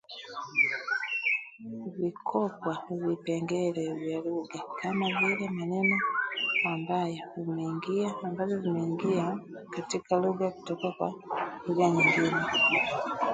Vikopwa Vipengele vya lugha kama vile maneno, ambavyo vimeingia katika lugha kutoka kwa lugha nyingine